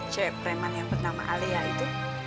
cewek preman yang bernama alea itu